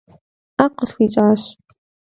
Ӏэ къысхуищӏащ.